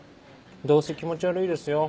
どうせ気持ち悪いですよ。